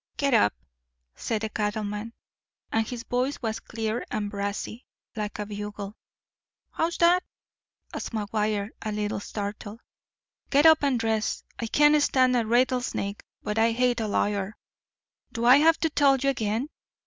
"Get up," said the cattleman, and his voice was clear and brassy, like a bugle. "How's that?" asked McGuire, a little startled. "Get up and dress. I can stand a rattlesnake, but I hate a liar. Do I have to tell you again?"